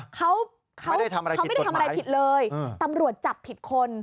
เขาเขาไม่ได้ทำอะไรผิดเลยตำรวจจับผิดคน